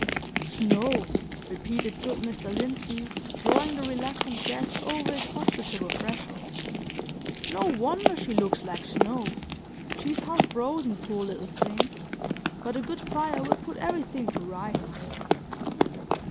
"Snow!" repeated good Mr. Lindsey, drawing the reluctant guest over his hospitable threshold. "No wonder she looks like snow. She is half frozen, poor little thing! But a good fire will put everything to rights!"